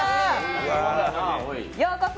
ようこそ！